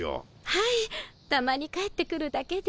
はいたまに帰ってくるだけで。